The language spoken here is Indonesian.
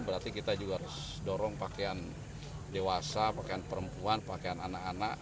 berarti kita juga harus dorong pakaian dewasa pakaian perempuan pakaian anak anak